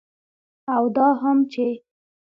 او دا هم چې